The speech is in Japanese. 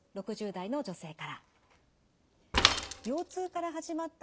６０代の女性から。